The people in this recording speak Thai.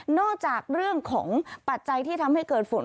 จากเรื่องของปัจจัยที่ทำให้เกิดฝน